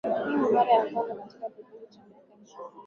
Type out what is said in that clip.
hii ni mara ya kwanza katika kipindi cha miaka ishirini